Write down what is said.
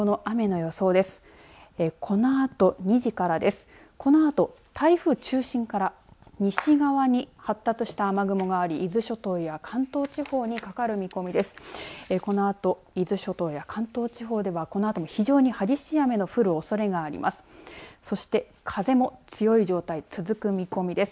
このあと伊豆諸島や関東地方ではこのあとも非常に激しい雨の降るおそれがあります。